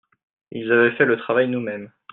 Ils avaient fait le travail nous-mêmes.